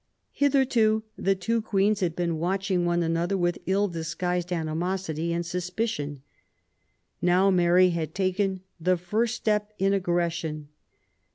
Hitherto the two Queens had been watching one another with ill disguised animosity and suspicion. Now Mary had taken the first step in aggression.